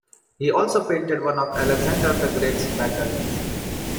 He also painted one of Alexander the Great's battles.